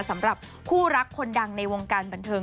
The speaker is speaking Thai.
สำหรับคู่รักคนดังในวงการบันเทิง